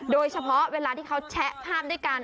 โดยเฉพาะเวลาที่เขาแชะภาพด้วยกัน